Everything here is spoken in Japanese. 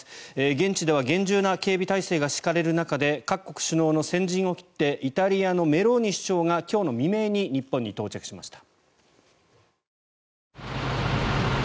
現地では厳重な警備体制が敷かれる中で各国首脳の先陣を切ってイタリアのメローニ首相が今日の未明に日本に到着しました。